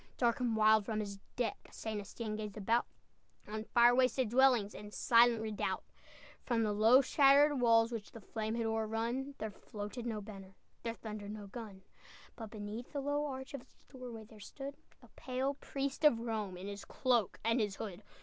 Dark and wild, from his deck St. Estienne gazed about, On fire wasted dwellings, And silent redoubt; From the low, shattered walls Which the flame had o'errun, There floated no banner, There thundered no gun! But beneath the low arch Of its doorway there stood A pale priest of Rome, In his cloak and his hood.